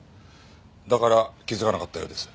だから気づかなかったようです。